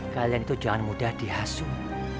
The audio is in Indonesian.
kalian itu jangan mudah dihasum